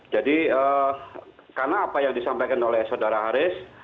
karena apa yang disampaikan oleh saudara haris